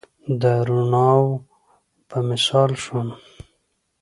د روڼاوو په مثال شوم